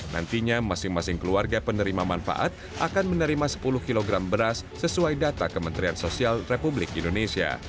nantinya masing masing keluarga penerima manfaat akan menerima sepuluh kg beras sesuai data kementerian sosial republik indonesia